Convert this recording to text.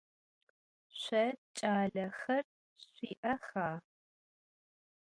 Şso ç'alexer şsui'exa?